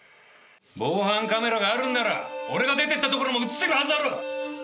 防犯カメラがあるんなら俺が出てったところも映ってるはずだろ！